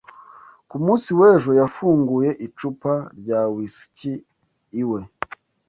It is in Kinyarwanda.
Ku munsi w'ejo, yafunguye icupa rya whiski iwe.